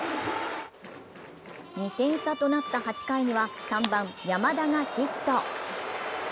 ２点差となった８回には３番・山田がヒット。